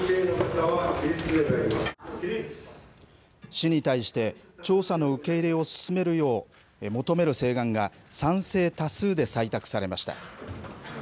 市に対して、調査の受け入れを進めるよう求める請願が賛成多数で採択されました。